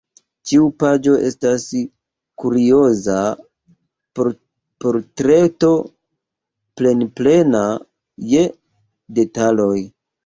Ĉiu paĝo estas kurioza portreto plenplena je detaloj.